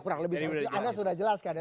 anda sudah jelas kan